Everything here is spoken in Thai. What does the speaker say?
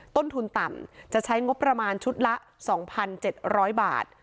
ต้นทุนต่ำจะใช้งบประมาณชุดละ๒๗๐๐บาท